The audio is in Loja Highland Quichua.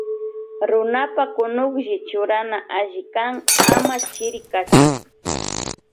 Runapa kunuklli churana alli kan ama chiri kachun.